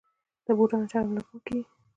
د بوټانو چرم له کومه کیږي؟